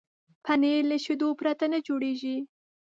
پنېر له شیدو پرته نه جوړېږي.